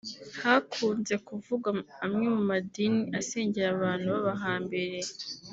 Hakunze kuvugwa amwe mu madini asengera abantu babahambiriye